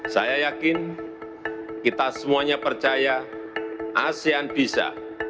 saya yakin kita semuanya percaya asean bisa